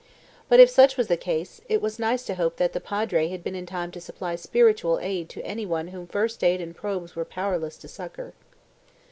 But if such was the case, it was nice to hope that the Padre had been in time to supply spiritual aid to anyone whom first aid and probes were powerless to succour.